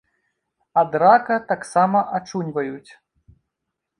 Ад рака таксама ачуньваюць.